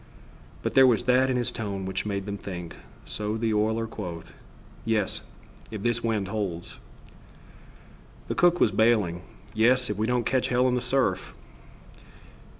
But there was that in his tone which made them think, so the oiler quoth: "Yes! If this wind holds!" The cook was bailing: "Yes! If we don't catch hell in the surf."